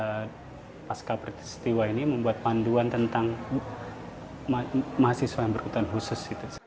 saya pasca peristiwa ini membuat panduan tentang mahasiswa yang berkebutuhan khusus